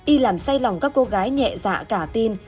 y làm say lòng các cô gái nhẹ dạ cả tin